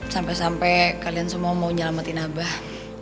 sampai sampai kalian semua mau nyelamatin abah